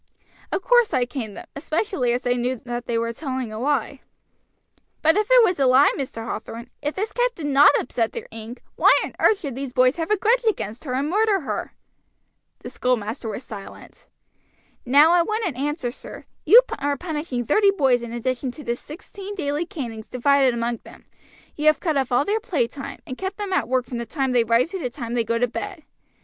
"Of course I caned them, especially as I knew that they were telling a lie." "But if it was a lie, Mr. Hathorn, if this cat did not upset their ink, why on earth should these boys have a grudge against her and murder her?" The schoolmaster was silent. "Now I want an answer, sir. You are punishing thirty boys in addition to the sixteen daily canings divided among them; you have cut off all their play time, and kept them at work from the time they rise to the time they go to bed.